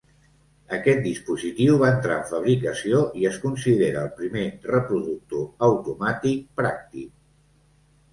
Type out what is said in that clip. Aquest dispositiu va entrar en fabricació, i es considera el primer reproductor automàtic pràctic.